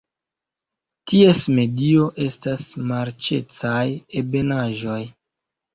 Ties medio estas marĉecaj ebenaĵoj.